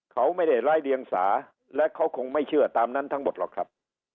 เขาไม่ได้ร้ายเรียงสาและเขาคงไม่เชื่อตามนั้นทั้งหมดหรอกครับ